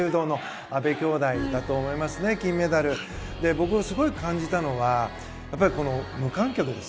僕すごい感じたのは無観客です。